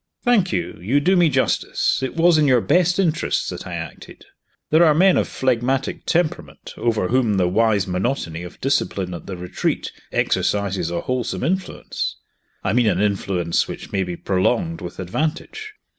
"Thank you you do me justice it was in your best interests that I acted. There are men of phlegmatic temperament, over whom the wise monotony of discipline at The Retreat exercises a wholesome influence I mean an influence which may be prolonged with advantage.